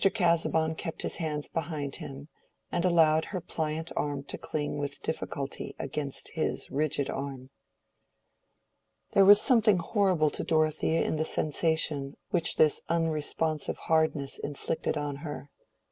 Casaubon kept his hands behind him and allowed her pliant arm to cling with difficulty against his rigid arm. There was something horrible to Dorothea in the sensation which this unresponsive hardness inflicted on her.